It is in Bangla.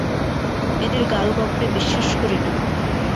এদের গালগল্পে বিশ্বাস করি না।